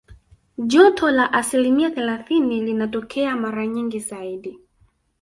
Joto la asilimia thelathini linatokea mara nyingi zaidi